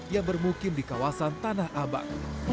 yang bermukim di kawasan tanah abang